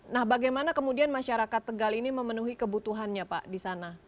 nah bagaimana kemudian masyarakat tegal ini memenuhi kebutuhannya pak di sana